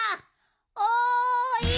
おい！